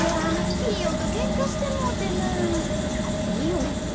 ピーヨン！